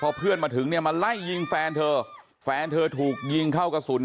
พอเพื่อนมาถึงเนี่ยมาไล่ยิงแฟนเธอแฟนเธอถูกยิงเข้ากระสุน